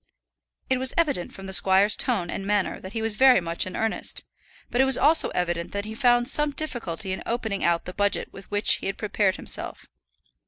It was evident from the squire's tone and manner that he was very much in earnest; but it was also evident that he found some difficulty in opening out the budget with which he had prepared himself.